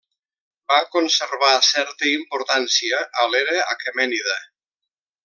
Va conservar certa importància a l'era aquemènida.